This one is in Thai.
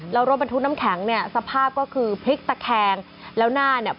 แล้วรถบรรทุกน้ำแข็งเนี่ยสภาพก็คือพลิกตะแคงแล้วหน้าเนี่ย